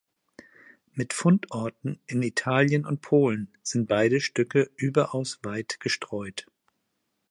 Mit Fundorten in Italien und Polen sind beide Stücke überaus weit gestreut.